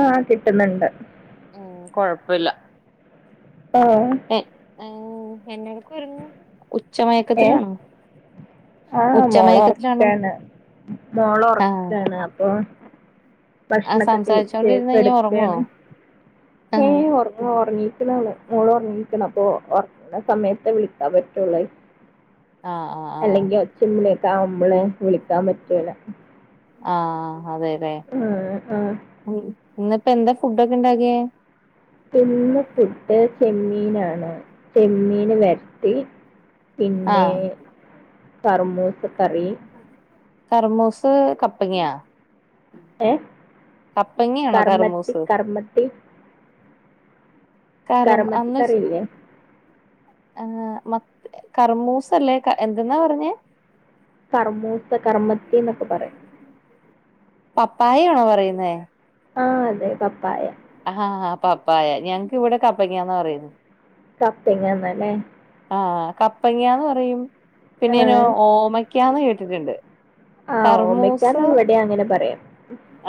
ആഹ് കിട്ടുന്നുണ്ട്. ഉം കൊഴപ്പില്ല. ആഹ്. ഏഹ് ഉം എന്നാട്ക്കുആയിര്ന്നു ഉച്ചമയക്കത്തിലാണോ? ആഹ് ഉച്ചമയക്കത്തിലാണോ മോളൊറക്കാണ് മോള ആഹ് ഒറക്കാണ് അപ്പൊ. ആ ഭക്ഷണൊക്കെ കഴ്ച്ച് സംസാരിച്ചോണ്ടിരുന്ന് കഴിഞ്ഞാ ഒറങ്ങോ കെട്ക്കാണ് ആഹ് ഉം. ഒർങ്ങു ഒർങ്ങീക്ക്ണോള് മോള് ഒർങ്ങിക്ക്ണ് അപ്പൊ ഒറങ്ങുന്ന സമയത്തെ വിളിക്കാൻ പറ്റുള്ളൂ. ആഹ്. ആഹ് ആഹ് അല്ലെങ്കി ഒച്ചംമ്പിളിയൊക്കെ ആവുമ്പളെ വിളിക്കാൻ പറ്റൂല. ആഹ് അതെലെ ആ, ആ. ഉം ഇന്നിപ്പ എന്താ ഫുഡൊക്കെ ഉണ്ടാക്കിയേ? ഇന്ന് ഫുഡ് ചെമ്മീനാണ് ചെമ്മീൻ വര്ട്ടി. പിന്നെ ആഹ് കർമൂസക്കറി. കർമൂസ് കപ്പങ്ങ്യാ. ഏ കപ്പങ്ങാണോ കർമ്മത്തി കർമൂസ്. കർമ്മത്തി കർമ് കർമ്മത്തി അന്ന് ചെ. കറി ഇല്ലേ ആഹ് മ കറർമൂസല്ലേ ക എന്തെന്നാ പറഞ്ഞെ. കർമൂസ കർമ്മത്തിന്നൊക്കെ പറയും. പപ്പായാണോ പറയുന്നേ? ആഹ് അതെ പപ്പായ. ആഹ് പപ്പായ ഞങ്ങക്ക് ഇവിടെ കപ്പക്ക്യാന്ന് പറയും. കപ്പങ്ങ്യാന്ന് ലെ. ആഹ് കപ്പങ്ങ്യാന്ന് പറയും പിന്നെ ഞാൻ ഏഹ് ഓമക്ക്യാന്ന് കേട്ടിട്ടുണ്ട്. ആഹ് കർമൂസ് ഓമക്കാന്ന് ഇവിടെയാ അങ്ങനെ പറയാ.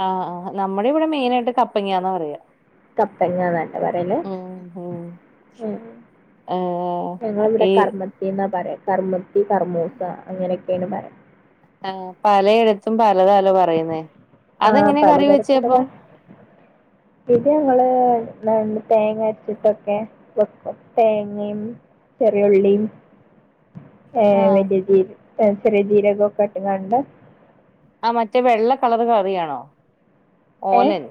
ആഹ് ആ് നമ്മുടെ ഇവിടെ മൈനായിട്ട് കപ്പങ്ങ്യാന്ന് പറയാ. കപ്പങ്ങന്നല്ലേ പറ്യൽ ഉം ഉം ഉം. ഏഹ് ഞങ്ങളിവിടെ ഈ കർമ്മത്തിന്നാ പറയാ കർമ്മത്തി, കർമൂസ, അങ്ങനെയൊക്കെയാണ് പറയാ. ആ പലയിടത്തും പലതലോ പറയുന്നേ ആ അതെങ്ങനൊ കറി പലതരത്തിലുള്ള വെച്ചപ്പം. ഇത് ഞങ്ങള് തേങ്ങ അരച്ചിട്ടൊക്കെ. വെക്കും തേങ്ങയും ചെറിയുള്ളിയും. ഏഹ് ആഹ് വലിയജീര ഏ ചെറിയ ജീരകൊക്കെ ഇട്ട് ങ്ങാണ്ട്. ആ മറ്റേ വെള്ള കളറ് കറിയാണോ? ഏഹ് ഓലൻ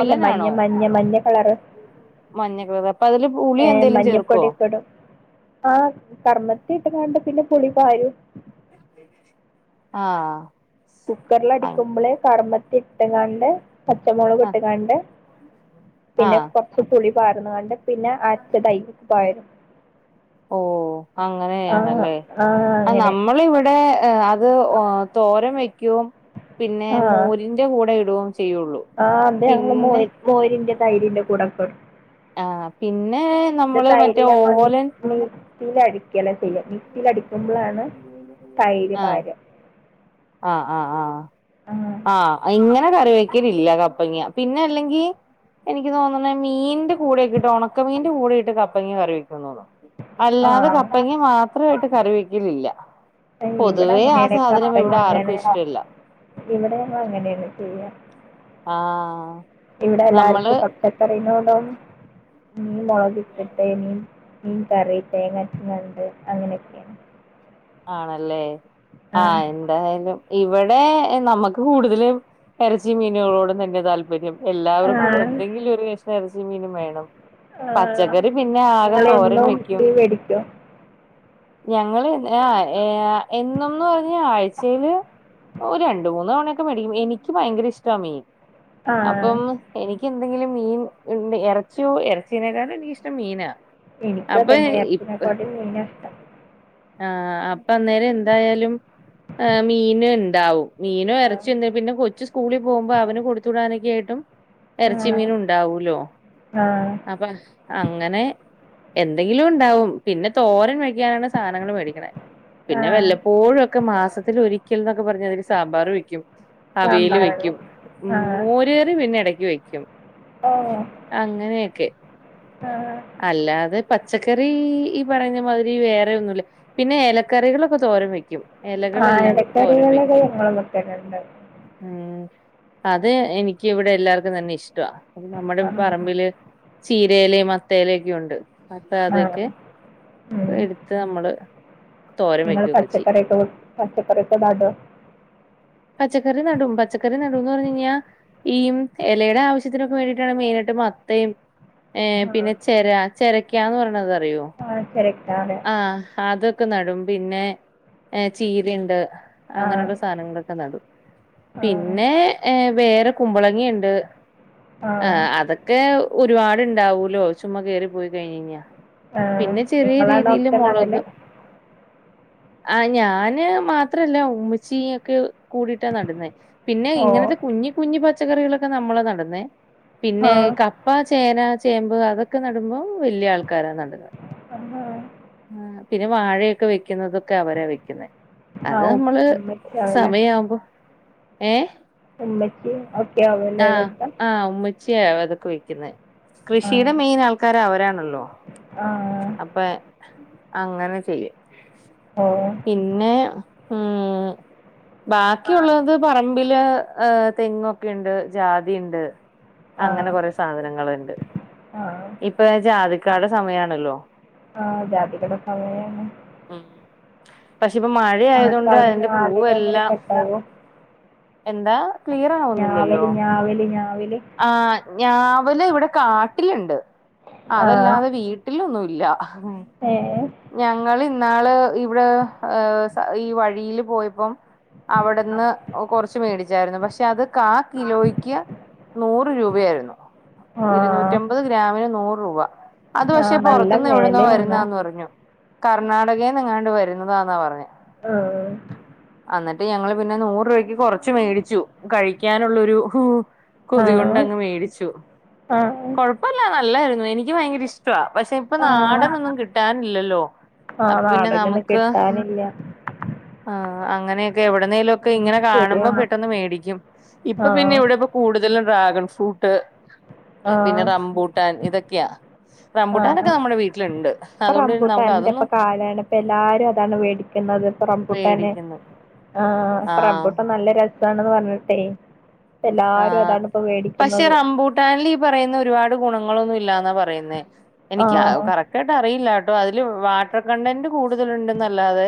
അല്ല മഞ്ഞ മഞ്ഞ മഞ്ഞ കളറ് മഞ്ഞകളറ് അപ്പൊ അതില് പുളി എന്തേലും ചേർക്കോ? ആ കർമ്മത്തി ഇട്ട്കാണ്ട് പിന്നെ പുളി പാരും. ആഹ്. ആഹ് കുക്കറൽടിക്കുമ്പള് കർമത്തി ഇട്ട്ങ്ങാണ്ട് പച്ചമൊളക് ഇട്ട്കാണ്ട്. പിന്നെ ആഹ് കൊർച്ച് പുളി പാർന്ന്കാണ്ട് പിന്നെ അര്ച്ചതൈക് പാരും. ഓഹ് ആഹ് അങ്ങനെയാണ്ല്ലേ ആഹ് ആ അങ്ങനെ നമ്മളിവിടെ. അത് ഹ് തോരം വയ്ക്ക്യും പിന്നെ മോരിന്റെ കൂടെ ഇടുകയും ചെയ്യുള്ളൂ. ആ ഇത് ഞങ്ങൾ പിന്നെ മോരിന്റെ തൈരിന്റെ കൂടെക്കെടും. ആഹ് പിന്നെ നമ്മള് മറ്റേ ഓലൻ. മിക്സീൽ അടിക്കലാ. ചെയ്യ മിക്സീലടിക്കുമ്പോളാണ് തൈര് പാരാ. ആ ആ ആഹ്. ആ. ആഹ് ഇങ്ങനെ കറിവെക്കലില്ല കപ്പങ്ങ്യ പിന്നെ അല്ലെങ്കി എനിക്ക് തോന്ന്ണ് മീന്റെ. കൂടെക്ക്ട്ട് ഉണക്കമീന്റെ കൂടെട്ട് കപ്പങ്ങ്യ കറി വെക്കൂ തോന്ന്ണ് അല്ലാതെ കപ്പങ്ങ. ആഹ് മാത്രായിട്ട് കറി വെക്കലില്ല ഇവിടെ പൊതുവേ ആ അങ്ങനെയാണ് സാധനം ഇവിടെ ആർക്കും ഇഷ്ട്ടല്ല. ഇവിടെഅങ്ങനേണ് ചെയ്യ ആഹ് ഇവിടെ നമ്മള് എല്ലാർക്കും കപ്പ. കറിനോടു മീൻ മോളക് ഇട്ടിട്ട് മീൻ മീൻ കറി തേങ്ങ അരച്ചിങ്ങാണ്ട് അങ്ങനെക്കെ ആണല്ലേ ആ ആൻ എന്തായാലും ഇവിടെ നമ്മക്ക് കൂടുതലും എറച്ചി മീനുകളോടും തന്നെ താല്പര്യം ആ എല്ലാവർക്കും എന്തെങ്കിലും ഒരു കഷ്ണം എറച്ചി മീനും വേണം ആ പച്ചക്കറി പിന്നെ ആകെ നിങ്ങൾ തോരൻ എന്നും വെയ്ക്കും മീൻ മേടിക്കുമോ ഞങ്ങള് ആ ഏ എന്നുംന്ന് പറഞ്ഞ ആഴ്ചേല് ഒരു രണ്ട് മൂന്ന് തവണയൊക്കെ മേടിക്കും എനിക്ക് ഭയങ്കര ഇഷ്ട മീൻ ആ അപ്പം എനിക്ക് എന്തെങ്കിലും മീൻ ഇണ്ട് എ റച്യോ എറച്ചീനേക്കാളും എനിക്കിഷ്ടം മീനാ എനിക്കും അപ്പൊ അതെന്നെ എറച്ചിനെ ക്കാട്ടിലുംമീന ആ അപ്പൊ അന്നേരം ന്തായാലും ആ മീന് ഇണ്ടാവും മീനും ആ എറച്ചി എന്ന് പിന്നെ കൊച്ച് സ്കൂളിൽ പോകുമ്പോ അവന് കൊടുത്തു വിടാനൊക്കെയിട്ടും ആ എറച്ചി മീനും ഉണ്ടാവൂലോ ആ അപ്പൊ അങ്ങനെ എന്തെങ്കിലും ഉണ്ടാവും പിന്നെ തോരൻ വെക്കാനാണ് സാധനങ്ങൾ മേടിക്കണെ ആ പിന്നെ വല്ലപ്പോഴു ഒക്കെ മാസത്തിൽ ഒരിക്കൽ ന്നൊക്കെ പർഞ്തിന് സാമ്പാർ വെയ്ക്കും അവിയല് സാമ്പാറുള്ളോ വെയ്ക്കും ഉം ആ മോര്കറി പിന്നെ എടക്ക് വെയ്ക്കും ഓ അങ്ങനെയൊക്കെ ആഹ് അല്ലാതെ പച്ചക്കറി ഈ പറഞ്ഞ മാതിരി വേറെ ഒന്നുല്ല പിന്നെ ഏലക്കറികളൊക്കെ തോര ൻ വെയ്ക്കും ആ എലക്കറികളൊക്കെ ഞങ്ങള് വേക്കല് ണ്ട് ഉംഅത് എനിക്ക് ഇവിടെ എല്ലാർക്കും തന്നെ ഇഷ്ട വ നമ്മുടെ ആ പറമ്പില് ചീരയില മത്തേലൊക്കെ ഉണ്ട് അപ്പൊ ആ അതൊക്കെ ഉം. എടുത്ത് ന മ്ള് തോരൻ നിങ്ങള് വെക്കയൊക്കെ ചെയ്യും പച്ചക്കറിയൊക്കെ വെ പച്ചക്കറിയൊക്കെ നടുവോ? പച്ചക്കറി നടും പച്ചക്കറി നടുംന്ന് പർഞ് ഞ്ഞ ഈ എലേടെ ആവശ്യത്തിനൊക്കെ വേണ്ടിയിട്ടാണ് മെയിനായിട്ട് മത്തയും ഏ പിന്നെ ചെര ചെരക്കാന്ന് പറയ ണത്റിയോ ആഹ് ചെരട്ടാന് ആ അത് ഒക്കെ നടും പിന്നെ എ ചീരണ്ട് ആഹ് അങ്ങനെള്ള സാനങ്ങളൊക്കെ നടും ആഹ് പിന്നെ എ വേറെ കുമ്പളങ്ങണ്ട് ആ ആഹ് അതൊ ക്കെ ഒരുപാടുണ്ടാവൂലോ ചുമ്മാ കേറി പോയി കഴിഞ്ഞ ആഹ് പിന്നെ ചെറിയ നിങ്ങളാണോ രീതിയില് ഒക്കെ മൊളക് നടല്? ആ ഞാന് മാത്രല്ല ഉമ്മച്ചി ഒക്കെ കൂടിട്ടാ നടുന്നേ പിന്നെ ഓഹ് ഇങ്ങനത്തെ കുഞ്ഞി കുഞ്ഞി പച്ചക്കറികളൊക്കെ നമ്മള് നടുന്നെ പിന്നെ ആഹ് ക പ്പാ ചേന ചേമ്പ് അതൊക്കെ നടുമ്പോ വല്യ ആൾക്കാരാ നട ആഹ് പിന്നെ വാഴയൊക്കെ വെക്കുന്നതും ക്കെ അവരാ വെക്കുന്നത് അത് ആഹ് നമ്മള് ഉമ്മച്ചിയാവുല്ലേ ഉമ്മച്ചി ആവല്ലേ? സമയവുമ്പോ ഏ ഉമ്മയ്ക്ക് ഓക്കെ ആവു ലേ വെക്കാൻ ആ ഉമ്മിച്ചിയ അതൊക്കെ വെക്കുന്നത് കൃഷിയുടെ ആഹ് മെയിൻ ആൾക്കാര് അവരാണല്ലോ ആഹ് അപ്പൊ അങ്ങനെ ചെയ്യും ഓഹ് പിന്നെ ഉം ബാക്കിയുള്ളത് പറമ്പില് എ തെങ്ങൊക്കെണ്ട് ജാതിണ്ട് അങ്ങനെ ആഹ് കൊറെ സാധനങ്ങുണ്ട് ആഹ് ഇപ്പൊ ജാതിക്കാടെ സമയാണല്ലോ ആഹ് ജാതിക്കടെ സമയാണ് ഉം പക്ഷെ പ്പൊ മഴ ആയതോണ്ട് നിങ്ങക്കവിടെ അതിന്റെ ഞാവല് അങ്ങനെ പൂവെല്ലാം കെട്ടാവോ? എന്താ ക്ലിയർ ആവുന്നില്ലല്ലോ ഞാവല് ഞാവല് ഞാവല് ആ ഞാവല് ഇവിടെ കാട്ടില്ണ്ട് ആഹ് അതല്ലാതെ വീട്ടിലൊന്നുംല്ല ഏഹ് ഞങ്ങള് ഇന്നാള് ഇവ്ടെ ഈ വഴിയില് പോയപ്പം അവിടെന്ന് കൊറച്ച് മേടിച്ചായിരുന്നു പക്ഷെ അത് കാ കിലോയ്ക്ക് നൂറ് രൂപയായിരുന്നു ആഹ് റ്റമ്പത് ഗ്രാമിന് നൂറ് രൂപ അത് പക്ഷെ ആഹ് നല്ല പുറത്തുന്ന് എവിടന്നോ വെലയാണ്. വരുന്നാന്ന് പറഞ്ഞു കർണാടകേന്നങ്ങാണ്ട് വരുന്നതാന്നാ പറഞ്ഞത് ആഹ എന്നിട്ട് ഞങ്ങള്ൾ പിന്നെ നൂറ് രൂപയ്ക്ക് കൊറച്ച് മേടിച്ചു കഴിക്കാനുള്ളരു കൊതി ആഹ് കൊൊണ്ടങ്ങ് മേടിച്ചു ആഹ് കൊഴപ്പ പ്പല്ല നല്ലായിരുന്നു എനിക്ക് ഭയങ്കര ഇഷ്ട പക്ഷെ ഇപ്പൊ ആഹ് നാടനൊന്നും കിട്ടാൻ ല്ലല്ലോ ആഹ് അപ്പൊ പിന്നെ നാടനൊന്നും നമുക്ക് കിട്ടാനില്ല. ആ് അങ്ങനെയൊക്കെ എവിടുന്നേലും ഒക്കെ ആഹ് ഇങ്ങനെ കാണുമ്പോ ശരിയാണ് പെട്ടെന്ന് മേടിക്കും ഇപ്പൊ പിന്നെ ആഹ് ഇവിടെ കൂടുതലും ഡ്രാഗൺ ഫ്രൂട്ട് പിന്നെ ആഹ് റമ്പൂട്ടാൻ ഇതൊക്കെയാ റമ്പുട്ടാനൊക്കെ നമ്മുടെ വീട്ടിലുണ്ട് അതുകൊണ്ട് പിന്നെ നമുക്ക് ഇപ്പറംമ്പുട്ടൻന്റെ ഇപ്പ അതൊന്നും കാലാണ് ഇപ്പൊ എല്ലാരും അതാണ് വേടിക്കുന്നത് ഇപ്പൊ റംമ്പൂട്ടനെ വേടിക്കുന്നു ആഹ് ആഹ് പഠറംമ്പൂട്ടാൻ നല്ല രസാണെന്ന് പറഞ്ഞിട്ടെ എല്ലാരും അതാണ് ഇപ്പൊ മേടിക്കുന്നത് ഭൂട്ടാനിൽ ഈ പറയുന്ന ഒരുപാട് ഗുണങ്ങളൊന്നും ഇല്ലാന്നാ പറയുന്നേ എനിക്ക് അ ആഹ് കറക് ായിട്ട് അറിയില്ല കേട്ടോ അതില് വാട്ടർ കണ്ടന്റ് കൂടുതലുണ്ട്ന്നല്ലാതെ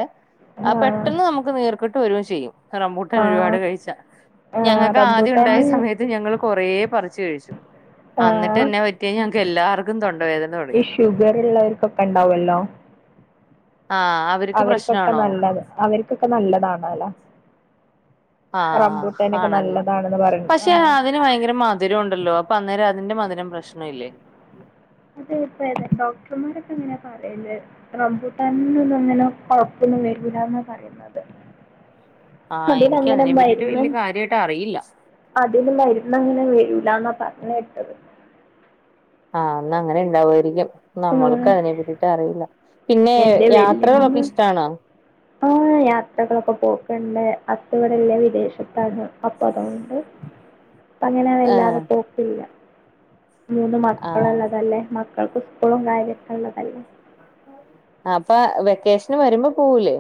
ആ ആഹ് പെട്ടെന്ന് നമുക്ക് നീർികട്ട് വരുകയും ചെയ്യും റംമ്പൂട്ടൻ ഒരുപാട് ആഹ് കഴിച്ച ആഹ് ഞങ്ങൾക്ക് ആ ഉണ്ടായ റംബൂട്ടാന് സമയത്ത് ഞങ്ങള്ൾ കൊറേപറിച്ചു കഴിച്ചു ആഹ് അന്നിട്ടെന്നെ പറ്റിഴ ഞങ്ങക്ക് എല്ലാർക്കും തൊണ്ടവേദന തുടങ്ങി ഈ ഷുഗർ ഉള്ളവർക്കൊക്കെ ഉണ്ടാവല്ലോ ആഹ് അവർക്ക് അവർക്കൊക്കെ പ്രശ്നാണോ നല്ലത് അവർക്കൊക്കെ നല്ലതാണോ ലോ ആഹ് ആണല്ലേ പറയുന്നത് ആ പക്ഷെ അതിന് ഭയങ്കര മ ധുരോണ്ടല്ലോ അപ്പൊ അന്നേരം അതിന്റെ മധുരം പ്രശ്നവില്ലേ അതെ ഇപ്പ ഏതാ ഡോക്ടർമാരൊക്കെ അങ്ങനേ പറയല് റംബൂട്ടൻ ഒന്നും അങ്ങനെ കൊഴപ്പൊന്നും വരൂല്ലാന്ന പറയ ആഹ് അതിനങ്ങനെ എനിക്കതിനെ പറ്റിട്ട് വലിയ കാര്യായിട്ട് അറിയില്ല അതിന്ന് മരുന്നങ്ങനെ വരൂല്ലാന്നാ പറഞ്ഞ് കേട്ടത് ആഹ് അന്ന അങ്ങനെ ഇണ്ടാവുമായിരിക്കും നമ്മൾക്ക് ഉം അതിനെ പറ്റീട്ട് അറിയില്ല പിന്നേ എന്റെ യാത്രകളൊക്കെ ഇഷ്ട്ടാണോ ആഹ് യാത്രകളൊക്കെ പോക്കെണ്ട് അത്ത ഇവടില്ല വിദേശത്താണ് അപ്പൊ അതുകൊണ്ട് ഉ അപ്പങ്ങനെ വല്ലാതെ പോക്കില്ല മൂന്ന് ആഹ് മക്കളള്ളതല്ലേ മക്കൾക്കു സ്കൂളും കാര്യൊക്ക ഇള്ളതല്ലേ അപ്പ വെക്കേഷന് വരുമ്പ പോവൂലേ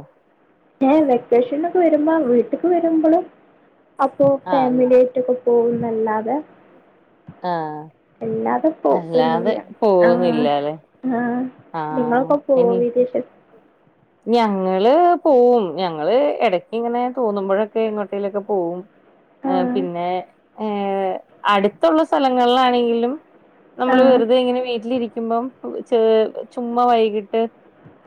ഏഹ് വെക്കേഷനൊക്കെ വരുമ്പോ വീട്ടക്ക് വരുമ്പളും അപ്പോ ആഹ് ഫാമിലി യായ്ട്ടൊക്കെ പോവുന്നല്ലാതെ ആഹ് എല്ലാതും അല്ലാതെ പോവുന്നില്ലാലെ ആഹ് നിങ്ങളൊക്കെ പോയ് വിദേശത്ത് ഞങ്ങള് പോവും ഞങ്ങള് ഇടക്ക് ഇങ്ങനെ തോന്നുമ്പോഴൊക്കെ എങ്ങോട്ടേലൊക്കെ പോകും ഏഹ് ആഹ് പിന്നെ ഏഹ് അടുത്തുള്ള സ്ഥലങ്ങളിലാണെങ്കിലും നമ്മള് ആഹ് വെറുതെ ഇങ്ങനെ വീട്ടിലിരിക്കുമ്പം ച ചുമ് വൈകിട്ട്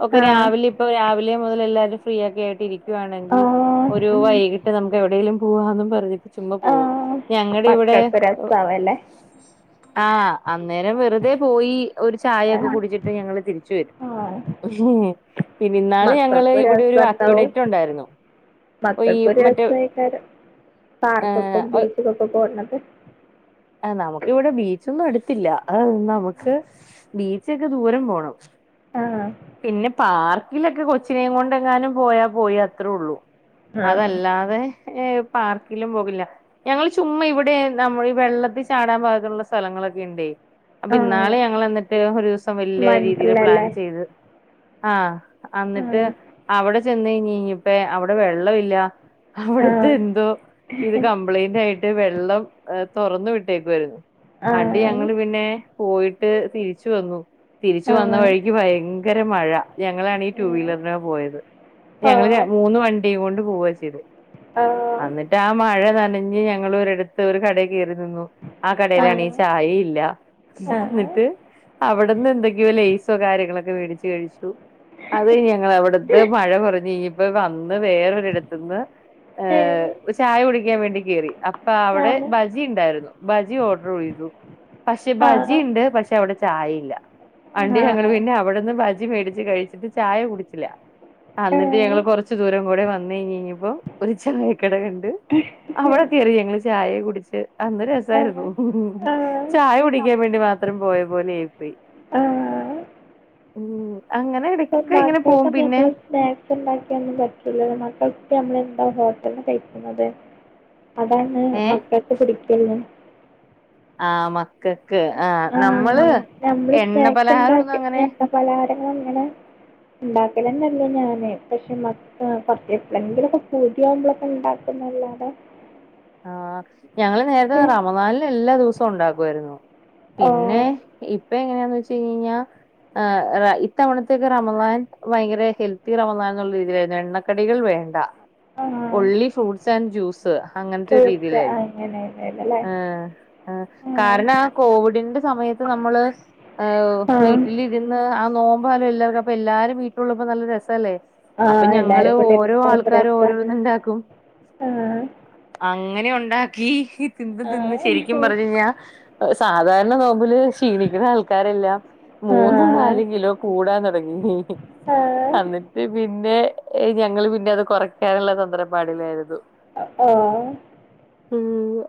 ഒക്കെ ആഹ് രാവിലെ ഇപ്പൊ രാവിലെ മുതൽ എല്ലാവരും ഫ്രീ ആക്കെ ആയിട്ടി ഇരിക്കുകയാണെങ്കിൽ ആഹ് ഒരു ഉം വൈകി ട്ട് നമുക്ക് എവിടേലും പോവാന്നും പറഞ്ഞിട്ട് ചുമ്മ പോവും ആഹ് ഞങ്ങടിവിടെ മക്കൾക്ക് രസാവല്ലേ ആഹ് അന്നേരം വെറുതെ പോയി ഒരു ചായൊക്കെ ആഹ് കുടിച്ചിട്ട് ഞങ്ങള് തിരിച്ച വരും ആഹ് പിന്നെ ഇന്നാള് ഞങ്ങള് മക്കൾക്കും ഇവിടെ ഒരു അക്വഡേറ്റൊണ്ടായിരുന്നു മക്കൾക്കൊരു രസായിക്കാരം പാർക്കൊക്കെ ഏഹ് ബീച്ചിക്കക്കെ പോണത് ആഹ് നമുക്കിവിടെ ബീച്ചൊന്നും അടുത്തില്ല നമുക്ക് ബീച്ചൊക്കെ ദൂരം പോണം ആഹ് പിന്നെ പാർക്കിലൊക്കെ കൊച്ചിനെയും കൊണ്ട എങ്ങാനും പോയാ പോയി അത്രേ ഉള്ളൂ. ആഹ് അതല്ലാതെ ഏഹ് പാർക്കിലും പോകില്ല. ഞങ്ങള് ചുമ്മ ഇവിടെ നമ്മള് ഈ വെള്ളത്തിൽ ചാടാൻ ഭാഗുള്ള സ്ഥലങ്ങളൊക്കെ ഇണ്ടേ അപ്പൊ ആഹ് ഇന്നാള് ഞങ്ങളെന്നിട്ട് ഒരു ദിവസം വല്യ രീതിയില് പ്ലാൻ വണ്ടർലല്ലേ ചെയ്ത് ആഹ് അന്നിട്ട് ആഹ് അവിടെ ചെന്ന് നീങ്ങീങ്ങിയപ്പെ അവിടെ വെള്ളം ഇല്ല. അവിടത്തെ ആഹ് എന്തോ ഇത് കംപ്ലൈയിന്റ് ആയിട്ട് വെള്ളം തുറന്ന് വിട്ടേക്കുവാരുന്നു. പണ്ട് ഞങ്ങള് പിന്നെ പോയിട്ട് തിരിച്ച് വന്നു തിരിച്ചു ആഹ് വന്ന ആഹ് വഴിക്ക് ഭയ ങ്കര മഴ ഞങ്ങളാണ് ഈ ടു വീലറിലാണ് പോയത്. ഓ ഞങ്ങള് ര മൂന്ന് വണ്ടീം കൊണ്ട് പോവുക ചെയ്ത്. ആഹ് ട്ടാ ആ മഴ നനഞ്ഞ് ഞങ്ങൾ ഒരിടത്ത് ഒരു കടയിൽ കയറി നിന്നു ആ ആഹ് കടേലാണേച്ചി ചായില്ല ആഹ് ആഹ് എന്നിട്ട് അവിടുന്ന് എന്തൊങ്കിലുമൊ ലെയ്‌സോ കാര്യങ്ങളൊക്കെ മേടിച്ച് കഴിച്ചു അത് കഴിഞ്ഞ് ഞങ്ങളവിടുത്തെ മഴ കൊറഞ്ഞ് ഇനിയിപ്പം വന്ന് വേറൊരിടത്ത്ന്ന് ആഹ് ഒര് ചായ കുടിക്കാൻ വേണ്ടി കേയറി അ പ്പാ അവിടെ ആഹ് ബജി ഇണ്ടായിരുന്നു ബജി ഓർഡർ ചെയ്തു. പക്ഷെ ആഹ് ആഹ് ബജിണ്ട് പക്ഷെ അവിടെ ചായയില്ല. പണ്ട് ഞങ്ങള വീടിന്റെ അവിടന്ന് ബജി മേടിച്ച് കഴിച്ചിട്ട് ചായ കുടിച്ചില്ല. ആഹ് എന്നിട്ട് ഞങ്ങള് കൊറച്ചു ദൂരം കൂടെ വന്ന കഴിഞ്ഞഞ്ഞപ്പോ ഒരു ചായ ക്കട കണ്ട് അവടെ കയറി ഞങ്ങള് ചായെ കുടിച്ച് അന്ന് ആഹ് രസായിരുന്നു. ഉ ചായ കുടിക്കാൻ വേണ്ടി മാത്രം പോയ പോലെ ആയി പോയി. ആഹ് ഉം അങ്ങനെ ഇപ്പം ഇടക്കൊക്കെ ഇങ്ങനെ പോവും മക്കൾക്ക് പിന്നെ. നമ്മള് സ്നാക്സ് ഉണ്ടാക്കിയൊന്നും പറ്റുലല്ലോ മക്കൾക്ക് എന്താ നമ്മള് എ ഹോട്ടലന് കഴിക്കുന്നത്. അതാണ് ഏ മക്കളക് പിടിക്കുള്ളു. ആ മക്കക്ക് ആ ആഹ് നമ്മള് നമ്മള് എണ്ണ സ്നാക്സ് പലഹാരം ഒന്നും ഉണ്ടാക്കി അങ്ങനെ. എണ്ണ പലഹാരങ്ങൾ ഇങ്ങനെ ഉണ്ടാക്കലെന്നല്ല ഞാന്. പക്ഷെ ആ കൊറച്ചീസ്തിന് പൂതിയാവുമ്പോളൊക്കെ ഉണ്ടാക്കുന്നല്ലാതെ. ആഹ ഞങ്ങള് നേരത്തെ പക്ഷെ റമളാനില് എല്ലാ ദിവസവും ഉണ്ടാക്കുവായിരുന്നു. പിന്നെ ഓഹ് ഇപ്പ എങ്ങനെയാന്ന് വെച്ച് കഴിഞ്ഞഴിഞ്ഞാ. ആ ഇത്തവണത്തേക്കെ റമളാൻ ഭയങ്കര ഹെൽത്തി റമനാൻ എന്നുള്ള രീതിയിലായിരുന്നു. എണ്ണ എണ്ണ കടികൾ വേണ്ട ആഹ് ഒൻള്ളി ഫ്രൂട്സ് ആന്റ് ജ്യൂസ് അങ്ങനെ. പോയിച്ച ആ അങ്ങനെ ആ ആ കാരണം ആ കോവിഡിന്റെ സമയത്ത് നമ്മള്. ആ ആഹ് വീട്ടിലിരുന്ന് ആ നോമ്പോലോ എല്ലാവർക്കും അപ്പൊ എല്ലാരും വീട്ടിലുള്ളപ്പോ നല്ല രസല്ലേ? അപ്പൊ ആഹ് ഞങ്ങള് എല്ലാരും കൂടിട്ട് ഓരോ ഉണ്ടാവുമ്പോ ആൾക്കാരും രസാണ് ഓരോന്ന് ഇണ്ടാക്കും. ആഹ് അങ്ങനെ ഉണ്ടാക്കി തിന്ന് തിന്ന് ശരിക്കും ആഹ് പറഞ്ഞു കഴിഞ്ഞാ. സാധാരണ നോമ്പില് ക്ഷീണിക്കുന്ന ആൾക്കാരെല്ലാം മൂന്നും ആഹ് നാല് കിലോ കൂടാൻ തുടങ്ങി. ആഹ് അന്നിട്ട് പിന്നെ ഞങ്ങള് പിന്നെ അത് കുറയ്ക്കാനുള്ള തന്ത്രപ്പാടിലായിരുന്നു. ആഹ് ഓ ഉ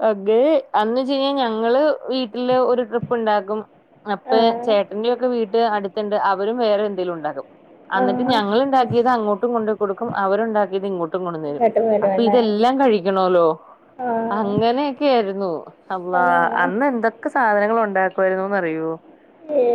അതെ അന്ന് ചെയ്യാ ഞങ്ങള് വീട്ടില് ഒരു ട്രിപ്പ് ഉണ്ടാക്കും. അപ്പൊ ആഹ് ചേട്ടന്റെ ഒക്കെ വീട്ട് അടുത്തണ്ട് അവരും വേറെ എന്തേങ്കലും ഉണ്ടാകും. അന്നിട്ട് ആഹ് ഞങ്ങൾ ഉണ്ടാക്കിയത് അങ്ങോട്ടും കൊണ്ട് കൊടുക്കും. അവരുണ്ടാക്കിയത് ഇങ്ങോട്ടും കൊണ്ട്ന്ന് തരും. ഇങ്ങോട്ട് അപ്പൊ വരുവല്ലേ ഇതെല്ലാം കഴിക്കണല്ലോ ആഹ് അങ്ങനെയൊക്കെ ആയിരുന്നു. അള്ളാ ആഹ് അന്ന് എന്തൊക്കെ സാധനങ്ങൾ ഉണ്ടാക്കുമായിരുന്നുന്ന് അറിയോ? ഏ